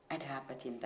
ada apa cinta